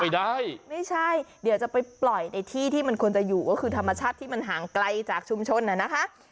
ไม่ใช่ไม่ใช่เดี๋ยวจะไปปล่อยในที่ที่มันควรจะอยู่ก็คือธรรมชาติที่มันห่างไกลจากชุมชนน่ะนะคะ